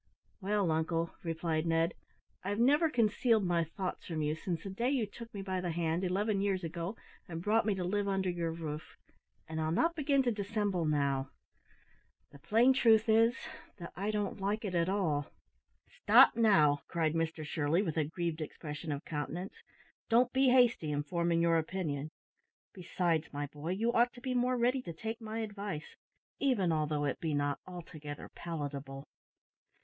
"Well, uncle," replied Ned, "I've never concealed my thoughts from you since the day you took me by the hand, eleven years ago, and brought me to live under your roof; and I'll not begin to dissemble now. The plain truth is, that I don't like it at all." "Stop, now," cried Mr Shirley, with a grieved expression of countenance; "don't be hasty in forming your opinion. Besides, my boy, you ought to be more ready to take my advice, even although it be not altogether palatable."